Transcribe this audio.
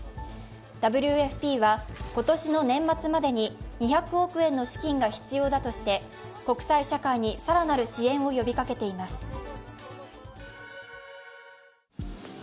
ＷＦＰは今年の年末までに２００億円の資金が必要だとして国際社会に更なる支援を呼びかけています。